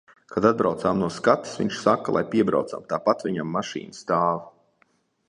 Kad atbraucām no skates, viņš saka, lai piebraucam, tāpat viņam mašīna stāv.